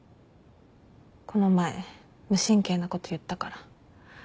この前無神経なこと言ったから。